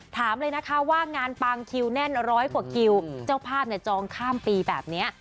ถามเลยนะคะว่างานปังคิวแน่นร้อยกว่าคิวเจ้าภาพเนี่ยจองข้ามปีแบบนี้